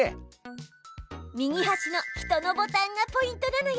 右はしの人のボタンがポイントなのよ。